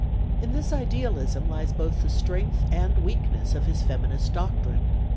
In this idealism lies both the strength and weakness of his feminist doctrine.